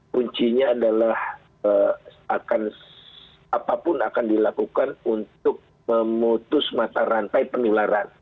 kuncinya adalah akan apapun akan dilakukan untuk memutus mata rantai penularan